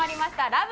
『ラブ！！